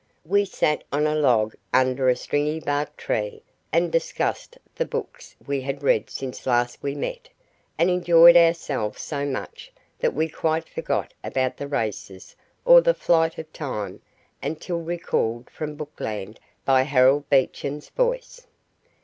We sat on a log under a stringybark tree and discussed the books we had read since last we met, and enjoyed ourselves so much that we quite forgot about the races or the flight of time until recalled from book land by Harold Beecham's voice.